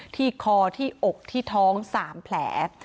ที่คอที่อกที่ท้อง๓แผล